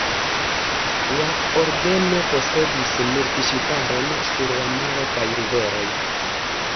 La ordeno posedis militŝiparon sur la maro kaj riveroj.